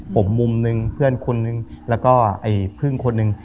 ผมมุมนึงเพื่อนคนนึงแล้วก็เพื่อนคนนึง